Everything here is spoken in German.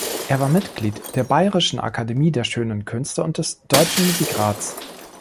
Er war Mitglied der Bayerischen Akademie der Schönen Künste und des Deutschen Musikrats.